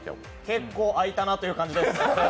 結構空いたなという感じです。